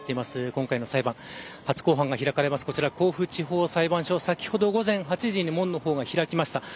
今回の裁判、初公判が開かれる甲府地方裁判所先ほど午前８時に門が開きました。